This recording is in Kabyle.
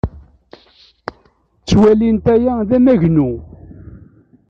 Ttwalint aya d amagnu.